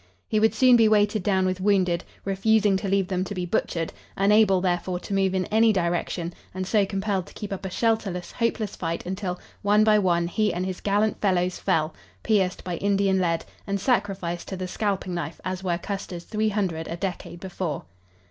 He would soon be weighted down with wounded, refusing to leave them to be butchered; unable, therefore, to move in any direction, and so compelled to keep up a shelterless, hopeless fight until, one by one, he and his gallant fellows fell, pierced by Indian lead, and sacrificed to the scalping knife as were Custer's three hundred a decade before.